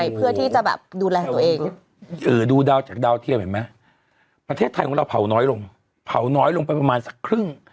เผาน้อยลงไปประมาณสักครึ่ง